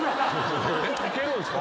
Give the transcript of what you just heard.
⁉いけるんすか？